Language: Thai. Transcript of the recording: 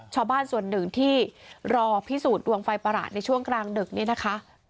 ชาวบ้านส่วนหนึ่งที่รอพิสูจน์ดวงไฟประหลาดในช่วงกลางดึกนี้นะคะ